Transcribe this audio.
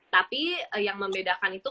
tapi yang membedakan itu